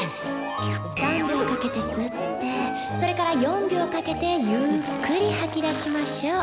３秒かけて吸ってそれから４秒かけてゆっくり吐き出しましょう。